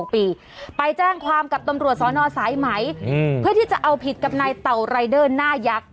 ไปแจ้งความกับตำรวจสนสายไหมเพื่อที่จะเอาผิดกับนายเต่ารายเดอร์หน้ายักษ์